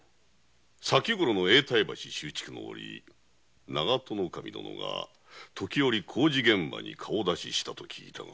先ごろの永代橋修築の折長門守殿が時折工事現場に顔出ししたと聞いたが？